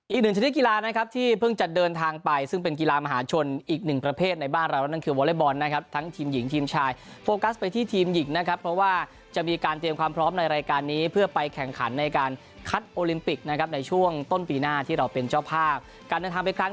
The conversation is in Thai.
อีกหนึ่งชนิดกีฬานะครับที่เพิ่งจะเดินทางไปซึ่งเป็นกีฬามหาชนอีกหนึ่งประเภทในบ้านเรานั่นคือวอเล็กบอลนะครับทั้งทีมหญิงทีมชายโฟกัสไปที่ทีมหญิงนะครับเพราะว่าจะมีการเตรียมความพร้อมในรายการนี้เพื่อไปแข่งขันในการคัดโอลิมปิกนะครับในช่วงต้นปีหน้าที่เราเป็นเจ้าภาพการเดินทางไปครั้ง